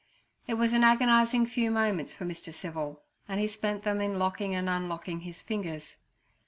It was an agonizing few moments for Mr. Civil, and he spent them in locking and unlocking his fingers.